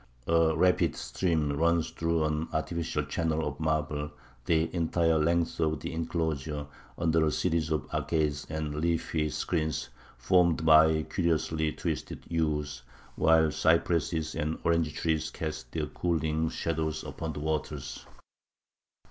A rapid stream runs through an artificial channel of marble the entire length of the enclosure under a series of arcades and leafy screens formed by curiously twisted yews, while cypresses and orange trees cast their cooling shadows upon the waters.